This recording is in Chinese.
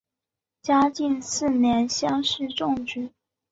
嘉靖四年乡试中举。